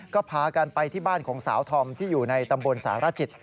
ก็พากันไปที่บ้านของสาวธอมที่อยู่ในตำบลสารจิต